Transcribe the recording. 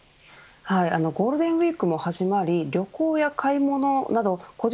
ゴールデンウイークも始まり旅行や買い物など個人